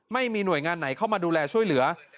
ไม่มีหน่วยงานไหนเข้ามาดูแลช่วยเหลือ